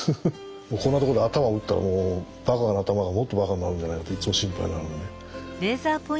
こんなとこで頭打ったらもうバカな頭がもっとバカになるんじゃないかっていっつも心配になるんでね。